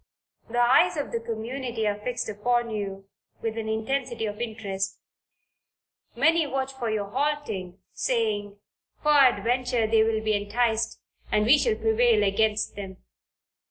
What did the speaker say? The eyes of the community are fixed upon you with an intensity of interest; many watch for your halting, saying, "peradventure they will be enticed and we shall prevail against them."